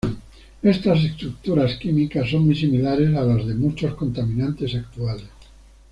Estas estructuras químicas son muy similares a las de muchos contaminantes actuales.